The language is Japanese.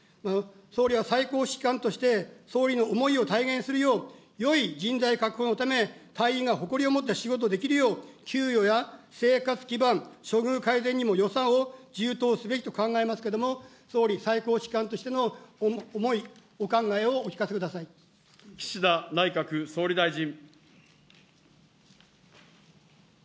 総理は最高指揮官として、総理の思いを体現するよう、よい人材確保のため、隊員が誇りを持って仕事できるよう、給与や生活基盤、処遇改善にも予算を充当すべきと考えますけども、総理、最高指揮官としての思い、お考えをお聞か岸田内閣総理大臣。